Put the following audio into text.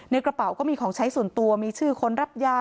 กระเป๋าก็มีของใช้ส่วนตัวมีชื่อคนรับยา